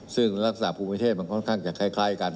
ซึ่งลักษณะภูมิประเทศมันค่อนข้างจะคล้ายกัน